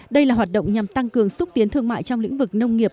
đây là hoạt động nhằm tăng cường xúc tiến thương mại trong lĩnh vực nông nghiệp